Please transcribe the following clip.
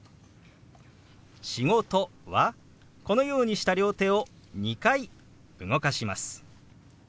「仕事」はこのようにした両手を２回動かします。